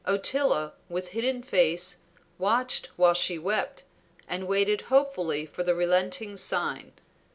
Ottila, with hidden face, watched while she wept, and waited hopefully for the relenting sign.